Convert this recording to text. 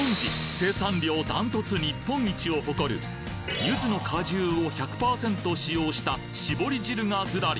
生産量ダントツ日本一を誇るゆずの果汁を１００％使用した絞り汁がずらり！